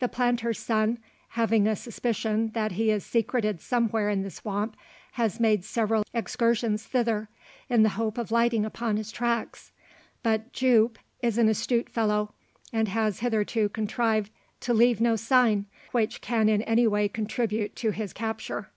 The planter's son, having a suspicion that he is secreted somewhere in the swamp, has made several excursions thither, in the hope of lighting upon his tracks. But "Jupe" is an astute fellow, and has hitherto contrived to leave no sign, which can in any way contribute to his capture.